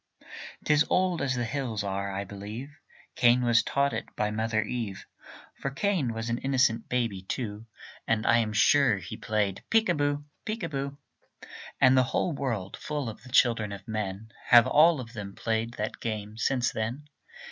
'Tis old as the hills are. I believe Cain was taught it by Mother Eve; For Cain was an innocent baby, too, And I am sure he played peek a boo, peek a boo. And the whole world full of the children of men, Have all of them played that game since then.